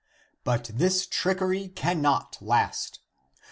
But this trickery cannot last.